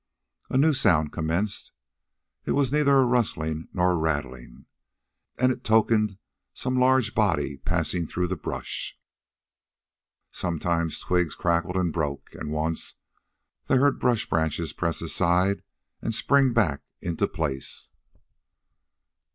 A new sound commenced. It was neither a rustling nor a rattling, and it tokened some large body passing through the brush. Sometimes twigs crackled and broke, and, once, they heard bush branches press aside and spring back into place.